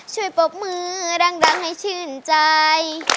ช่วยปบมือดังให้ชื่นใจ